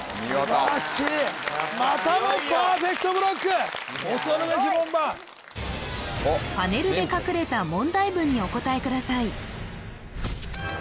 素晴らしいまたもパーフェクトブロック恐るべき門番・すごいパネルで隠れた問題文にお答えください